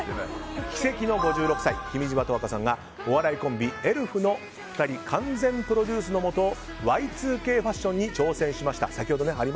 奇跡の５６歳君島十和子さんがお笑いコンビ、エルフの２人の完全プロデュースのもとＹ２Ｋファッションに挑戦しました。